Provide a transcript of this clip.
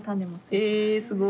えすごい！